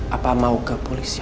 apa mau ke polis ya